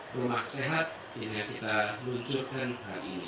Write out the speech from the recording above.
rumah sehat ini yang kita munculkan hari ini